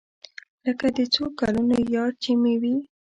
لکه د څو کلونو يار چې مې وي.